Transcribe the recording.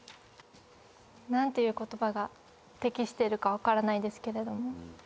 何ていう言葉が適してるか分からないですけれども。